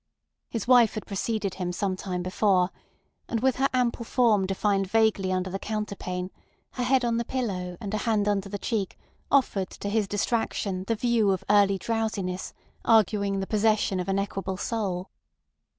His wife had preceded him some time before, and with her ample form defined vaguely under the counterpane, her head on the pillow, and a hand under the cheek offered to his distraction the view of early drowsiness arguing the possession of an equable soul.